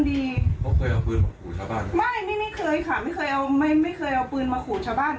ไม่ไม่เคยค่ะไม่เคยเอาปืนมาขู่ชาบ้าน